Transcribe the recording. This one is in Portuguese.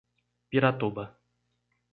Piratuba